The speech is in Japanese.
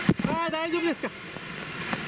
大丈夫ですか？